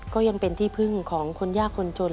ก็ยังเป็นที่พึ่งของคนยากคนจน